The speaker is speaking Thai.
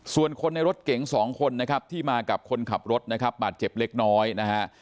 ส่วนคนในรถเก๋งสองคนนะครับที่มากับคนขับรถนะครับบาดเจ็บเล็กน้อยนะฮะ